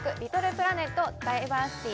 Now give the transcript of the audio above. プラネットダイバーシティ